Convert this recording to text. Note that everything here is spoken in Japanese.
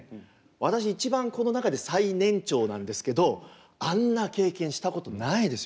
私一番この中で最年長なんですけどあんな経験したことないですよ。